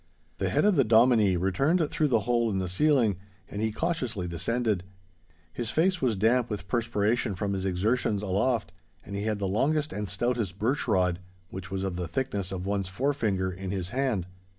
The head of the Dominie returned through the hole in the ceiling, and he cautiously descended. His face was damp with perspiration from his exertions aloft, and he had his longest and stoutest birch rod, which was of the thickness of one's forefinger, in his hand.